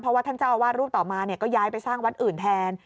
เพราะว่าท่านเจ้าอาวาสรูปต่อมาก็ย้ายไปสร้างวัดอื่นแทน